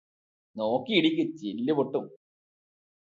നോക്കിയടിക്ക്. ചില്ല് പൊട്ടും.